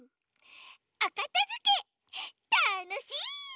おかたづけたのしい！